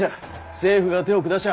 政府が手を下しゃ